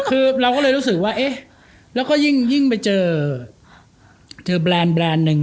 เราก็รู้สึกว่ายิ่งมายิ่งไปเจอแบรนด์หนึ่ง